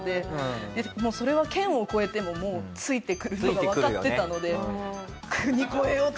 それは県を越えてももうついてくるのがわかってたので国越えようと。